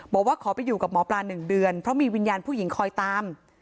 บอกว่าขอไปอยู่กับหมอปลา๑เดือนเพราะมีวิญญาณผู้หญิงคอยตาม